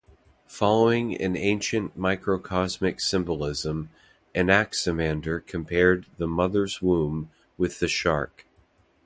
Following an ancient microcosmic symbolism, Anaximander compared the mother's womb with the shark.